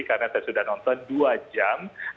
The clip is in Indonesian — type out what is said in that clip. karena saya sudah nonton dua jam